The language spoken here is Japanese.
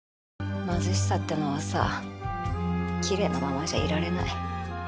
貧しさってのはさきれいなままじゃいられない。